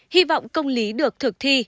hy vọng công lý được thực thi